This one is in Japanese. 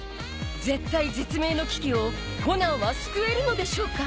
絶体絶命の危機をコナンは救えるのでしょうか